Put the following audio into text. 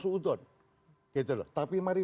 suudon gitu loh tapi mari